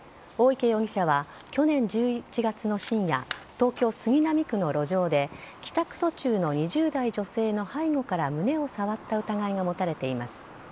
大池容疑者は去年１１月の深夜東京・杉並区の路上で帰宅途中の２０代女性の背後から胸を触った疑いが持たれています。